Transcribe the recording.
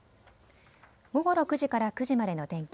午後６時から９時までの天気。